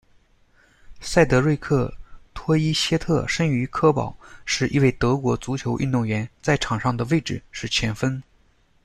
塞德瑞克·托伊歇特生于科堡，是一位德国足球运动员，在场上的位置是前锋。